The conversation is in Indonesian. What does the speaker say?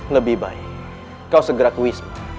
lebih baik kau segera ke wisma